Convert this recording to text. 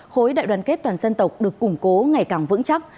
khối đại đoàn kết toàn dân tộc được củng cố ngày càng vững chắc